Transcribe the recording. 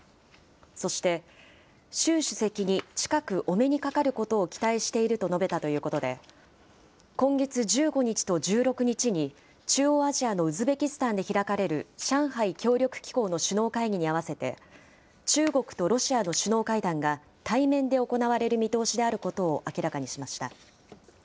そして、習主席に近くお目にかかることを期待していると述べたということで、今月１５日と１６日に、中央アジアのウズベキスタンで開かれる上海協力機構の首脳会議に合わせて、中国とロシアの首脳会談が対面で行われる見通しであることを明らかにしました。